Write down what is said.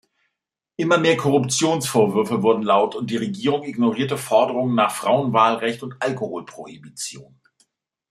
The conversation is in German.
Immer mehr Korruptionsvorwürfe wurden laut und die Regierung ignorierte Forderungen nach Frauenwahlrecht und Alkoholprohibition.